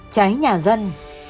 cháy nhà dân